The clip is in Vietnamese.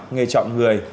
nghe chọn người